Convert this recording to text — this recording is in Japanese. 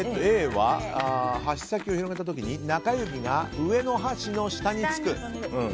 Ａは、箸先を広げたときに中指が上の箸の下につく。